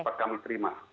cepat kami terima